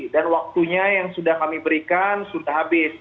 dan waktunya yang sudah kami berikan sudah habis